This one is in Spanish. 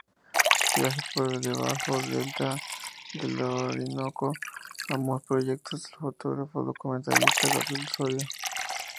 Viaje por el bajo delta del Orinoco", ambos proyectos del fotógrafo documentalista Gabriel Osorio.